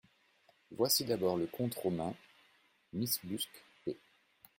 Voici d'abord le conte romain (miss Busk, p.